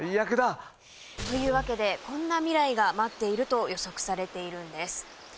というわけでこんな未来が待っていると予測されているんです。